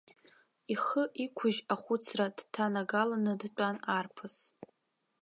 Ихы иқәыжь, ахәыцра дҭанагаланы дтәан арԥыс.